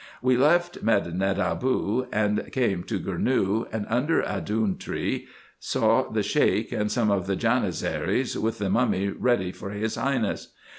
We left Medinet Abou and came to Gournou, and under a doum tree saw the Sheik and some of the Janizaries, with the mummy ready for his highness.